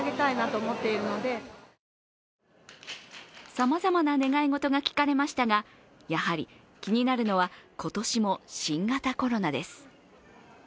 さまざまな願い事が聞かれましたがやはり気になるのは今年も新型コロナです。